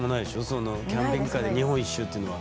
キャンピングカーで日本一周ってのは。